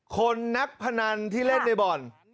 คนนักพนันที่เล่นในบ่อน